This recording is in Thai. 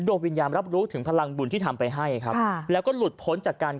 วิญญาณรับรู้ถึงพลังบุญที่ทำไปให้ครับค่ะแล้วก็หลุดพ้นจากการ